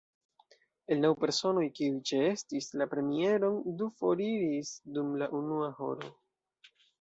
El naŭ personoj kiuj ĉeestis la premieron, du foriris dum la unua horo.